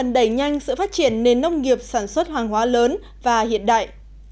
đẩy nhanh sự phát triển nền nông nghiệp sản xuất hoàng hóa lớn và hiện đại